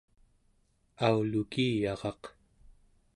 aulukiyaraq